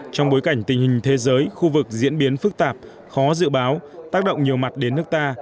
trong bối cảnh tình hình thế giới khu vực diễn biến phức tạp khó dự báo tác động nhiều mặt đến nước ta